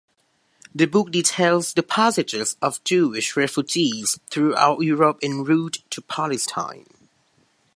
The book details the passages of Jewish refugees throughout Europe "en route" to Palestine.